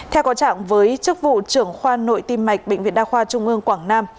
theo có trạng với chức vụ trưởng khoa nội tim mạch bệnh viện đa khoa trung ương quảng nam